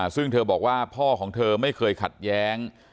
ซึ่งเธอบอกว่าพ่อของเธอไม่เคยขัดแย้ง